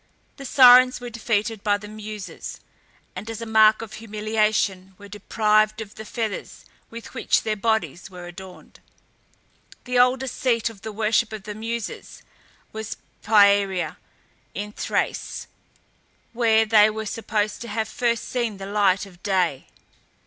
The Sirens were defeated by the Muses, and as a mark of humiliation, were deprived of the feathers with which their bodies were adorned. The oldest seat of the worship of the Muses was Pieria in Thrace, where they were supposed to have first seen the light of day.